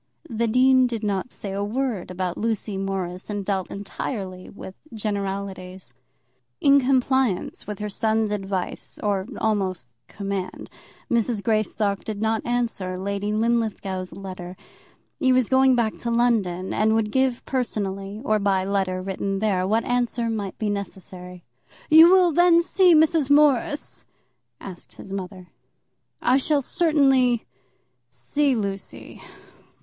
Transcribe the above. The dean did not say a word about Lucy Morris, and dealt entirely with generalities. In compliance with her son's advice, or almost command, Mrs. Greystock did not answer Lady Linlithgow's letter. He was going back to London, and would give personally, or by letter written there, what answer might be necessary. "You will then see Miss Morris?" asked his mother. "I shall certainly see Lucy.